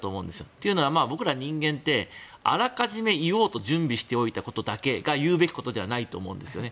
というのは僕ら人間ってあらかじめ言おうと準備してきたことだけが言うべきことではないと思うんですよね。